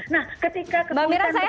nah ketika ketahuan ketahuan ini dilaksanakan